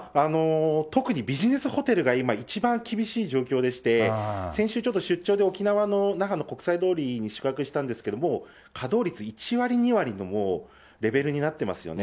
特にビジネスホテルが今、一番厳しい状況でして、先週ちょっと出張で沖縄の那覇の国際通りに宿泊したんですけれども、もう稼働率１割、２割のレベルになってますよね。